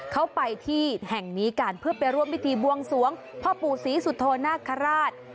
เขาไปที่แห่งนี้กันเพื่อไปร่วมพิธีบวงสวงพ่อปู่ศรีสุโธนาคาราช